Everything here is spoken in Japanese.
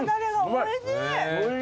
おいしい。